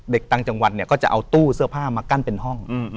ต่างจังหวัดเนี่ยก็จะเอาตู้เสื้อผ้ามากั้นเป็นห้อง